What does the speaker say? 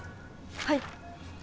はい。